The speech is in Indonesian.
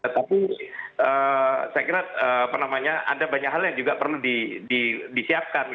tapi saya kira ada banyak hal yang juga perlu disiapkan